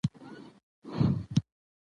موږ باید د کورنۍ وخت په ښه توګه تنظیم کړو